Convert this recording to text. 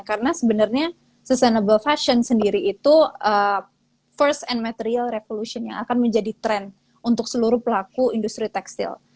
karena sebenarnya sustainable fashion sendiri itu first and material revolution yang akan menjadi trend untuk seluruh pelaku industri tekstil